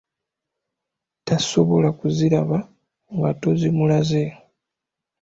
Tasobola kuziraba nga tozimulaze.